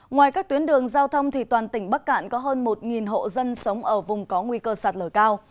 ngoài các tuyến đường giao thông thì toàn tỉnh bắc cạn có hơn một hộ dân sống ở vùng có nguy cơ sạt lở cao